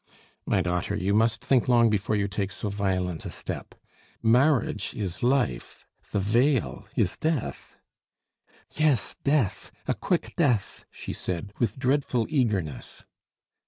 "My daughter, you must think long before you take so violent a step. Marriage is life, the veil is death." "Yes, death, a quick death!" she said, with dreadful eagerness.